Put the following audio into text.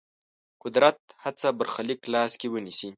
قدرت هڅه برخلیک لاس کې ونیسي.